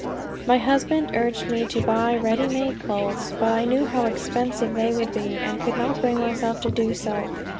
My husband urged me to buy ready made clothes, but I knew how expensive they would be, and could not bring myself to do so.